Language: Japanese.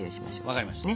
分かりました。